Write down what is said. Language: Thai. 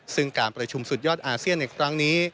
ซึ่งการประชุมสุดยอดอาเซียนในครั้งนี้